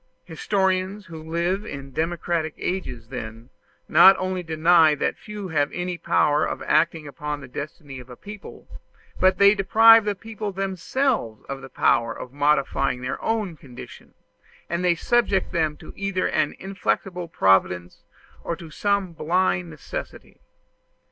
Historians who live in democratic ages, then, not only deny that the few have any power of acting upon the destiny of a people, but they deprive the people themselves of the power of modifying their own condition, and they subject them either to an inflexible Providence, or to some blind necessity.